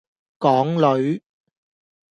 港女